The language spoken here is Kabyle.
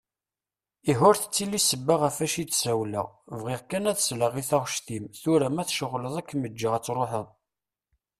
Ihi ur telli ssebba ɣef i d-ssawleɣ ; bɣiɣ kan ad d-sleɣ i taɣect-im. Tura ma tceɣleḍ ad kem-ǧǧeɣ ad truḥeḍ.